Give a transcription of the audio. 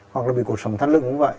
hoặc là bị cuộc sống thắt lưng cũng vậy